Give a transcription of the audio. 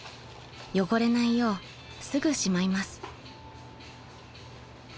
［汚れないようすぐしまいます］